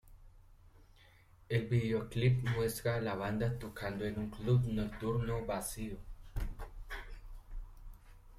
El videoclip muestra a la banda tocando en un club nocturno vacío.